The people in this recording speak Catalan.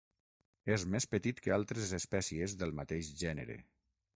És més petit que altres espècies del mateix gènere.